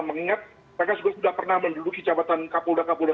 mengingat mereka juga sudah pernah menduduki jabatan kapolda kapolda